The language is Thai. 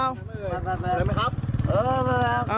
อะไรเปล่า